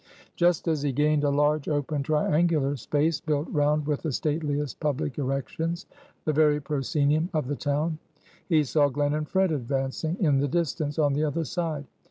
Just as he gained a large, open, triangular space, built round with the stateliest public erections; the very proscenium of the town; he saw Glen and Fred advancing, in the distance, on the other side.